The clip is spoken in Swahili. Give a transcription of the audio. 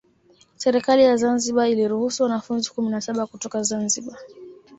Serikali ya Zanzibar iliruhusu wanafunzi kumi na saba kutoka Zanzibar